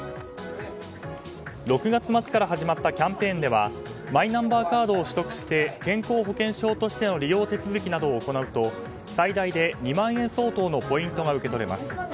６月末から始まったキャンペーンではマイナンバーカードを取得して健康保険証としての利用手続きなどを行うと最大で２万円相当のポイントが受け取れます。